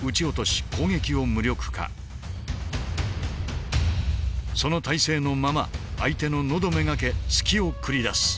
その体勢のまま相手の喉目がけ突きを繰り出す。